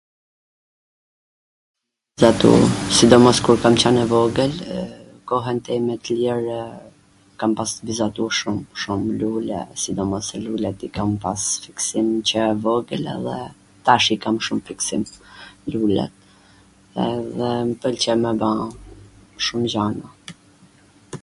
vizatu, sidomos kur kam qwn e vogwl, kohwn time t lir kam pas vizatu shum, shum lule, sidomos lulet i kam pas fiksim qw e vogwl edhe tash i kam shum fiksim, lulet, edhe m pwlqen me ba shum gjana